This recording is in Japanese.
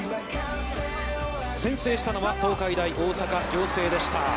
先制したのは東海大大阪仰星でした。